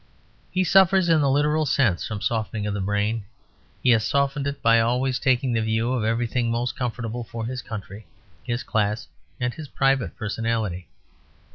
He suffers, in the literal sense, from softening of the brain; he has softened it by always taking the view of everything most comfortable for his country, his class, and his private personality.